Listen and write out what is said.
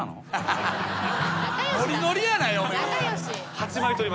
ノリノリやな嫁。